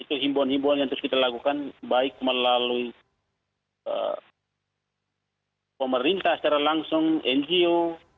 itu himbuan himbuan yang terus kita lakukan baik melalui pemerintah secara langsung ngo